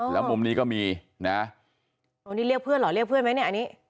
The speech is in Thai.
แล้วมุมนี้ก็มีนะโอ้นี่เรียกเพื่อนเหรอเรียกเพื่อนไหมเนี่ยอันนี้